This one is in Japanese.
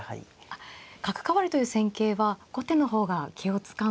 あっ角換わりという戦型は後手の方が気を遣うんですか。